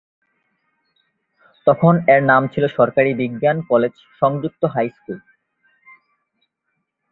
তখন এর নাম ছিল সরকারি বিজ্ঞান কলেজ সংযুক্ত হাই স্কুল।